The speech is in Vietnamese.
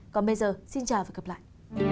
còn bây giờ xin chào và gặp lại